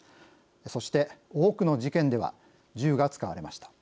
そして、多くの事件では銃が使われました。